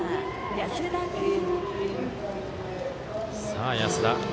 さあ安田。